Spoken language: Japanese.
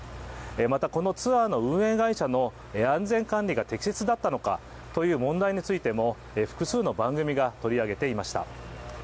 またこのツアーの運営会社の安全管理が適切だったのかという問題についても複数の番組が取り上げていました。